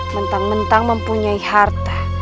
mentang mentang mempunyai harta